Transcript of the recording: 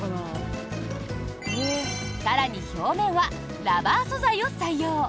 更に、表面はラバー素材を採用。